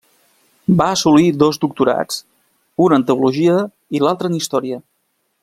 Va assolir dos doctorats, un en teologia i l'altre en història.